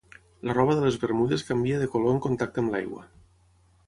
La roba de les bermudes canvia de color en contacte amb l'aigua.